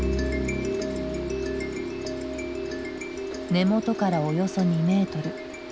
根元からおよそ２メートル。